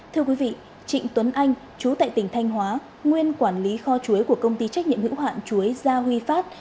thưa quý vị trịnh tuấn anh chú tại tỉnh thanh hóa nguyên quản lý kho chuối của công ty trách nhiệm hữu hạn chuối gia huy phát